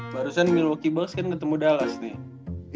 barusan milwaukee bucks kan ketemu dallas nih kan